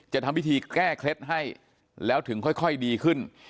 จะทำพิธีแก้เคล็ดให้แล้วถึงค่อยดีขึ้น